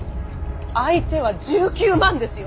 相手は１９万ですよ。